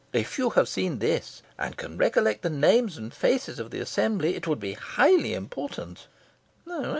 If you have seen this, and can recollect the names and faces of the assembly, it would be highly important."